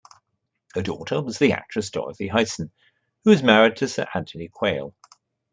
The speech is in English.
Her daughter was the actress Dorothy Hyson, who was married to Sir Anthony Quayle.